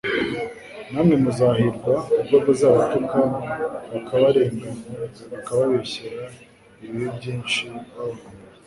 Namwe muzahirwa, ubwo bazabatuka bakabarenganya bakababeshyera ibibi byinshi babampora.